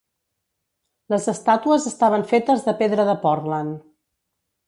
Les estàtues estaven fetes de pedra de Portland.